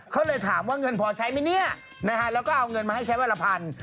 เขาเลยถามว่าเงินพอใช้ไหมเนี่ยนะฮะแล้วก็เอาเงินมาให้ใช้วันละพัน